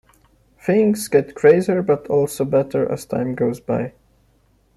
Things get crazier but also better as time goes by.